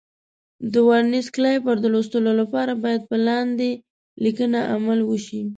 د ورنیز کالیپر د لوستلو لپاره باید په لاندې لیکنه عمل وشي.